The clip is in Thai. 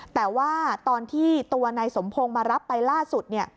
แต่ว่าตอนที่ตัวนายสมพงศ์มารับไปล่าสุด